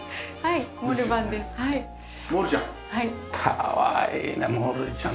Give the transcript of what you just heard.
かわいいねモルちゃん。